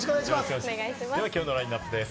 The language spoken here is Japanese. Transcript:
それでは今日のラインナップです。